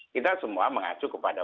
kita semua mengacu kepada